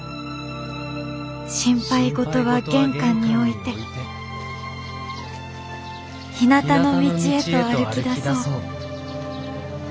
「心配事は玄関に置いてひなたの道へと歩きだそう」。